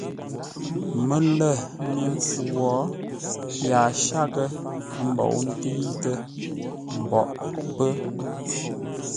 Mələ mi mpfu wo yaa shaghʼə́ ə́ mbou ntə̂itə́ mboʼ pə́.